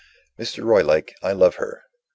"Mr. Roylake, I love her. Mr.